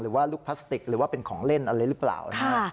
ว่าลูกพลาสติกหรือว่าเป็นของเล่นอะไรหรือเปล่านะฮะ